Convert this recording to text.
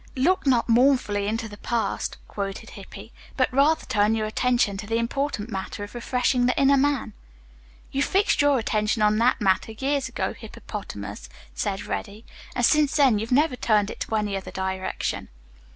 "'Look not mournfully into the past,'" quoted Hippy, "but rather turn your attention to the important matter of refreshing the inner man." "You fixed your attention on that matter years ago, Hippopotamus," said Reddy, "and since then you've never turned it in any other direction."